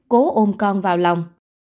cố ôm con vào lòng